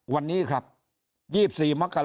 ถ้าท่านผู้ชมติดตามข่าวสาร